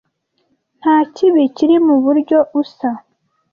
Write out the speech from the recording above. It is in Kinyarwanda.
Nta kibi kiri muburyo usa.